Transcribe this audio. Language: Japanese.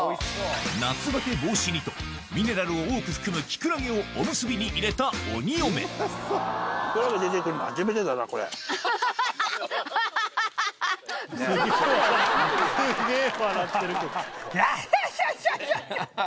夏バテ防止にとミネラルを多く含むキクラゲをおむすびに入れた鬼嫁すげぇ笑ってる。